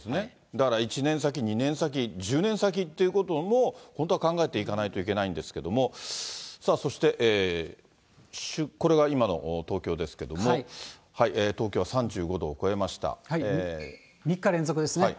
だから１年先、２年先、１０年先っていうことも本当は考えていかなきゃいけないんですけれども、さあそして、これが今の東京ですけども、３日連続ですね。